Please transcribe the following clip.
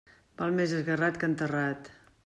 Val més esgarrat que enterrat.